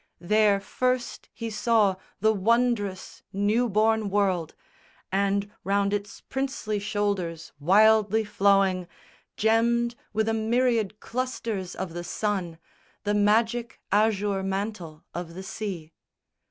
There first he saw the wondrous new born world, And round its princely shoulders wildly flowing, Gemmed with a myriad clusters of the sun, The magic azure mantle of the sea.